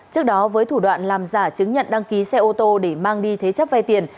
trước đó với thủ đoạn làm giả chứng nhận đăng ký xe ô tô để mang đi thế chấp vay tiền